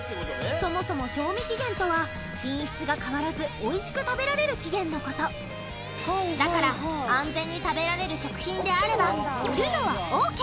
そもそも賞味期限とは品質が変わらずおいしく食べられる期限のことだから安全に食べられる食品であれば売るのはＯＫ